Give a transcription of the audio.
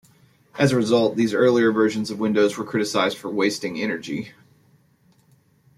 As a result, these earlier versions of Windows were criticized for wasting energy.